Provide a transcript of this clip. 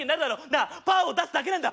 なあパーを出すだけなんだ！